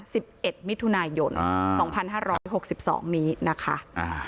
สิบเอ็ดมิถุนายนอ่าสองพันห้าร้อยหกสิบสองนี้นะคะอ่า